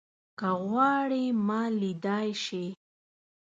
که غواړې ما ليدای شې